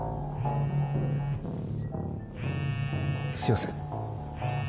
すみません。